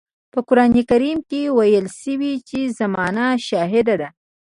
په قرآن کريم کې ويل شوي چې زمانه شاهده ده.